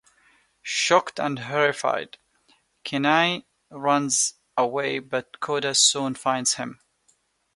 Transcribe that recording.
Shocked and horrified, Kenai runs away, but Koda soon finds him.